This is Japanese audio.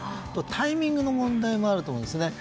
タイミングの問題もあると思うんですね。